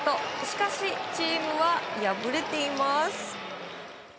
しかし、チームは敗れています。